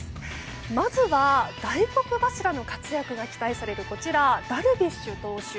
まずは大黒柱の活躍が期待されるこちら、ダルビッシュ投手。